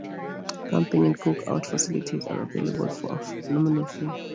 Camping and cook-out facilities are available for a nominal fee.